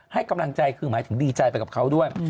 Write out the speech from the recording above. ให้กำลังใจคือหมายถึงดีใจไปกับเขาด้วย